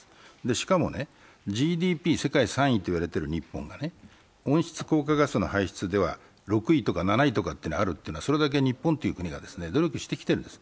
しかもＧＤＰ世界３位といわれている日本が温室効果ガスの排出では６位とか７位にあるということは、それだけ日本という国が努力してきてるんです。